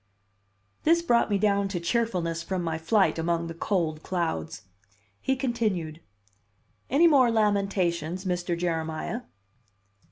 This brought me down to cheerfulness from my flight among the cold clouds. He continued: "Any more lamentations, Mr. Jeremiah?"